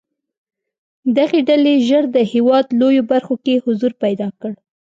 دغې ډلې ژر د هېواد لویو برخو کې حضور پیدا کړ.